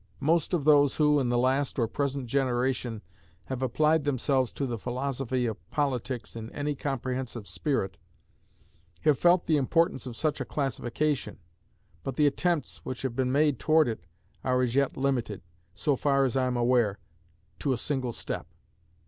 Most of those who, in the last or present generation, have applied themselves to the philosophy of politics in any comprehensive spirit, have felt the importance of such a classification, but the attempts which have been made toward it are as yet limited, so far as I am aware, to a single step.